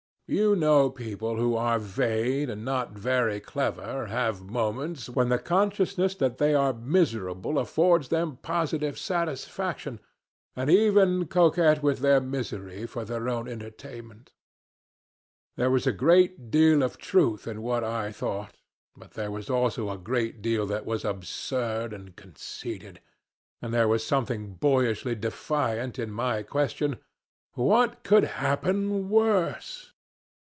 You know people who are vain and not very clever have moments when the consciousness that they are miserable affords them positive satisfaction, and they even coquet with their misery for their own entertainment. There was a great deal of truth in what I thought, but there was also a great deal that was absurd and conceited, and there was something boyishly defiant in my question: "What could happen worse?"